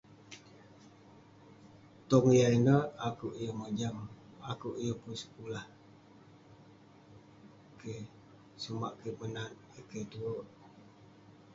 tong yah ineh, akouk yeng mojam..akouk yeng pun sekulah..keh, sumak kik menat eh keh tuwerk..